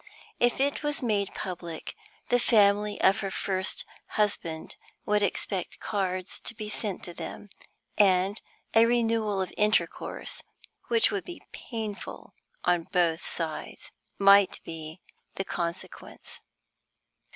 If it was made public, the family of her first husband would expect cards to be sent to them, and a renewal of intercourse, which would be painful on both sides, might be the consequence.